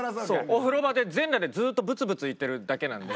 お風呂場で全裸でずっとぶつぶつ言ってるだけなんで。